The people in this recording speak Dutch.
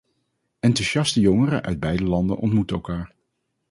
Enthousiaste jongeren uit beide landen ontmoetten elkaar.